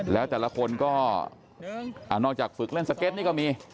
แล้วแต่ละคนก็นอกจากฝึกเล่นสเก็ตนี่ก็มี